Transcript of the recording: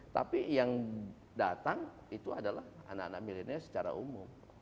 tapi yang datang itu adalah anak anak milenial secara umum